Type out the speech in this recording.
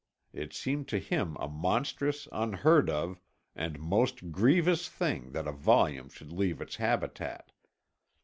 It seemed to him a monstrous, unheard of, and most grievous thing that a volume should leave its habitat.